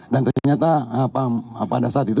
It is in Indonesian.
dan ternyata pada saat itu